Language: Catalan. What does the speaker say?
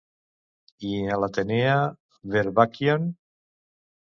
I en l'Atena Varvakeion?